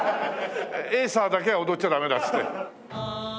エイサーだけは踊っちゃダメだっつって。